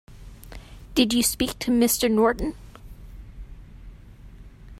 Did you speak to Mr. Norton?